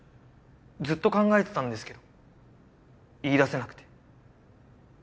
ずっと考えてたんですけど言いだせなくて。